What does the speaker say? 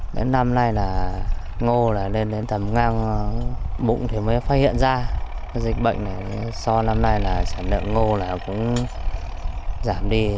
đến năm nay là ngô là lên đến tầm ngang bụng thì mới phát hiện ra cái dịch bệnh này so năm nay là sản lượng ngô là cũng giảm đi